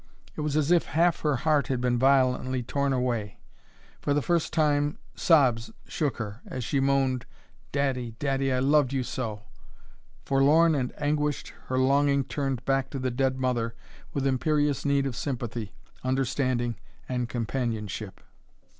It was as if half her heart had been violently torn away. For the first time sobs shook her, as she moaned, "Daddy, daddy, I loved you so!" Forlorn and anguished, her longing turned back to the dead mother with imperious need of sympathy, understanding, and companionship.